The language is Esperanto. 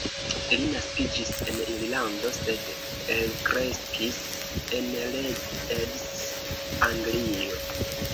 Li naskiĝis en Irlando, sed elkreskis en Leeds, Anglio.